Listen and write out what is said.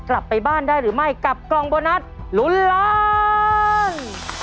กลับไปบ้านได้หรือไม่กับกล่องโบนัสลุ้นล้าน